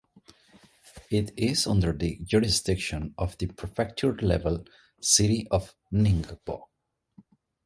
It is under the jurisdiction of the prefecture-level city of Ningbo.